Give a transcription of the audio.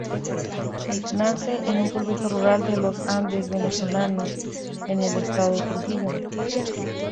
Nace en un pueblito rural de los Andes venezolanos, en el estado Trujillo.